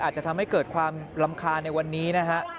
อาจจะทำให้เกิดความรำคาญในวันนี้นะฮะ